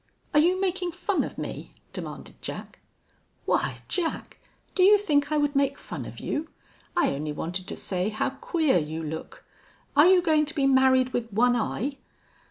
"Are you making fun of me?" demanded Jack. "Why, Jack! Do you think I would make fun of you? I only wanted to say how queer you look.... Are you going to be married with one eye?"